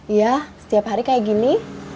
iya setiap hari kayak gini